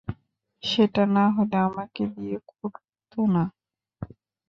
সেটা না হলে আমাকে বিয়ে করতো না।